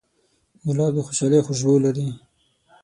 ګلاب د خوشحالۍ خوشبو لري.